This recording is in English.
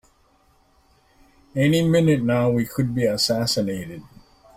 Any minute now we could be assassinated!